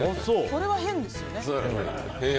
それは変ですよね。